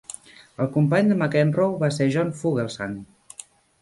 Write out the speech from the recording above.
El company de McEnroe va ser John Fugelsang.